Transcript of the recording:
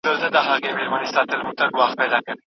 زه کولی شم پیغامونه په اسانۍ واستوم.